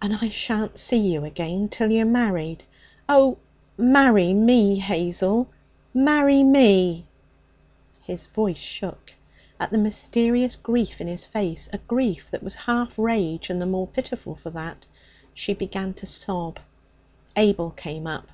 'And I shan't see you again till you're married? Oh, marry me, Hazel! Marry me!' His voice shook. At the mysterious grief in his face a grief that was half rage, and the more pitiful for that she began to sob. Abel came up.